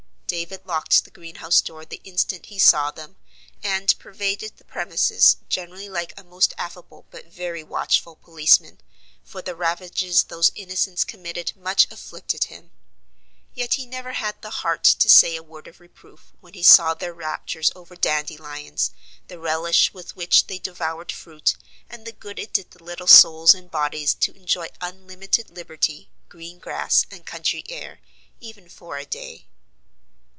David locked the greenhouse door the instant he saw them; and pervaded the premises generally like a most affable but very watchful policeman, for the ravages those innocents committed much afflicted him. Yet he never had the heart to say a word of reproof, when he saw their raptures over dandelions, the relish with which they devoured fruit, and the good it did the little souls and bodies to enjoy unlimited liberty, green grass, and country air, even for a day.